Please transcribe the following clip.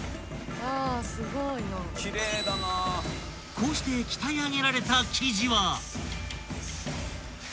［こうして鍛え上げられた生地は］